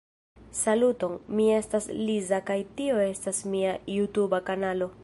Saluton, mi estas Liza kaj tio estas mia jutuba kanalo.